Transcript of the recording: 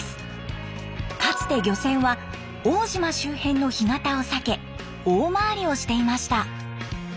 かつて漁船は奥武島周辺の干潟を避け大回りをしていました。